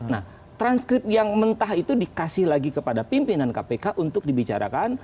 nah transkrip yang mentah itu dikasih lagi kepada pimpinan kpk untuk dibicarakan